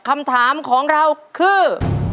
คำถามของเราคือ